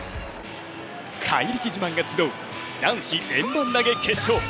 怪力自慢が集う、男子円盤投決勝。